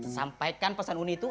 sampaikan pesan uni itu